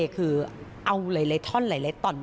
คือเอาหลายท่อนหลายตอน